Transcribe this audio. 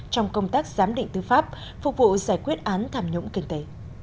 trong công tác giám định tư pháp phục vụ giải quyết án tham nhũng kinh tế